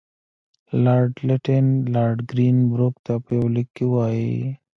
لارډ لیټن لارډ ګرین بروک ته په یوه لیک کې وایي.